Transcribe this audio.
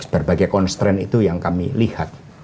berbagai konstrain itu yang kami lihat